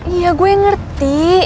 iya gue ngerti